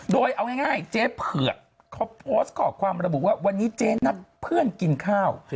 โดยเอาง่ายเจ๊เผือกเขาโพสต์ข้อความระบุว่าวันนี้เจ๊นัดเพื่อนกินข้าว